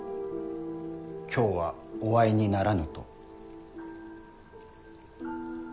今日はお会いにならぬと。